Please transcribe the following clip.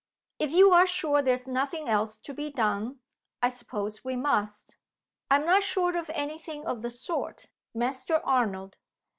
"If you are sure there is nothing else to be done, I suppose we must." "I am not sure of anything of the sort, Master Arnold!